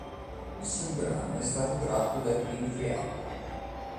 Nessun brano è stato tratto dai primi tre album.